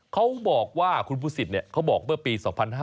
เขาบอกว่าคุณภูศิษย์เขาบอกเมื่อปี๒๕๔๐